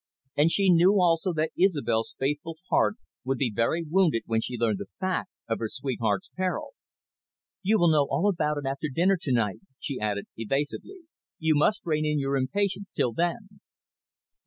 And she knew also that Isobel's faithful heart would be very wounded when she learned the fact of her sweetheart's peril. "You will know all about it after dinner to night," she added evasively. "You must rein in your impatience till then."